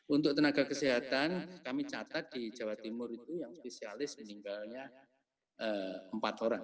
untuk tenaga kesehatan kami catat di jawa timur itu yang spesialis meninggalnya empat orang